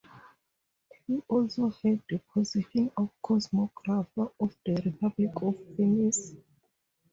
He also held the position of Cosmographer of the Republic of Venice.